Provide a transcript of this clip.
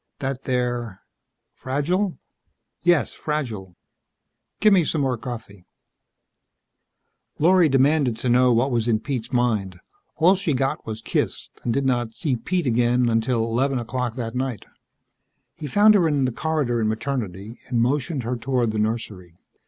"That they're ..." "Fragile?" "Yes fragile." "Give me some more coffee." Lorry demanded to know what was in Pete's mind. All she got was kissed, and she did not see Pete again until eleven o'clock that night. He found her in the corridor in Maternity and motioned her toward the nursery.